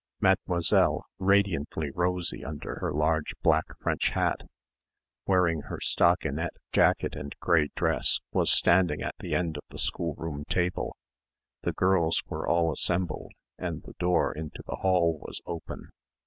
Mademoiselle, radiantly rosy under her large black French hat, wearing her stockinette jacket and grey dress, was standing at the end of the schoolroom table the girls were all assembled and the door into the hall was open.